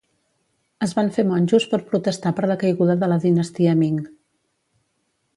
Es van fer monjos per protestar per la caiguda de la dinastia Ming.